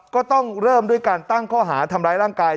ก็ต้องเริ่มด้วยการตั้งข้อหาทำร้ายร่างกาย